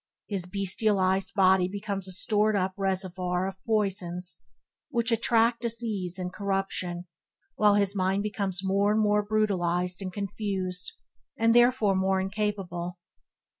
His bestialized body becomes a stored up reservoir of poisons, which attract disease and corruption, while his mind becomes more and more brutalized and confused, and therefore more incapable.